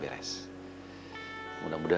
terus aku batas awakened ya